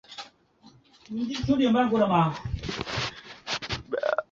或是会在棺材中离开。